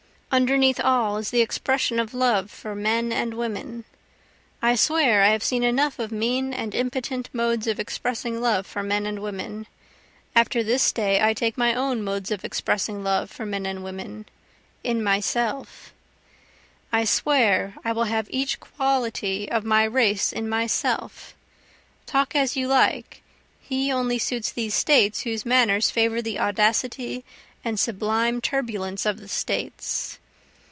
Underneath all is the Expression of love for men and women, (I swear I have seen enough of mean and impotent modes of expressing love for men and women, After this day I take my own modes of expressing love for men and women.) in myself, I swear I will have each quality of my race in myself, (Talk as you like, he only suits these States whose manners favor the audacity and sublime turbulence of the States.)